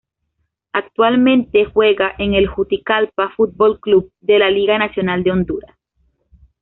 Actualmente juega en el Juticalpa Fútbol Club de la Liga Nacional de Honduras.